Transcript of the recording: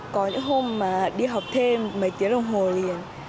có những hôm mà đi học thêm mấy tiếng đồng hồ liền